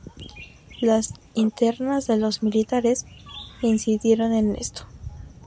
Las internas de los militares incidieron en esto.